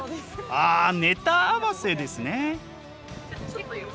あネタ合わせですね。